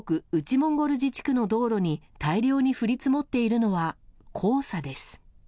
モンゴル自治区の道路に大量に降り積もっているのは黄砂です。